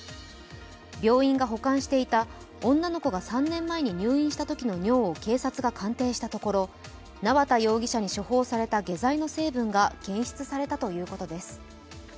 病院が保管していた女の子が３年前に入院していたときの尿を警察が鑑定したところ、縄田容疑者に処方された下剤の成分が検出されたということです。